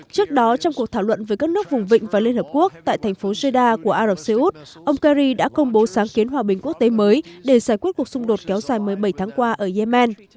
trước đó trong cuộc thảo luận với các nước vùng vịnh và liên hợp quốc tại thành phố jeda của ả rập xê út ông kari đã công bố sáng kiến hòa bình quốc tế mới để giải quyết cuộc xung đột kéo dài một mươi bảy tháng qua ở yemen